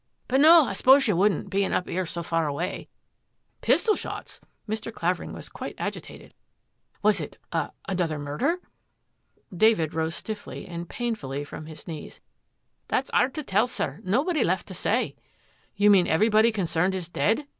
But, no, I s'pose you wouldn't, bein' up 'ere so far away." " Pistol shots !" Mr. Clavering was quite agi tated. " Was it a — another murder? " David rose stiffly and painfully from his knees. " That's 'ard to tell, sir. Nobody left to say. " You mean everybody concerned is dead?